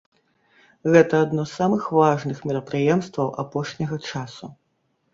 Гэта адно з самых важных мерапрыемстваў апошняга часу.